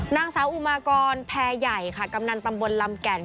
นางสาวอุมากรแพรใหญ่ค่ะกำนันตำบลลำแก่น